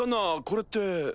これって。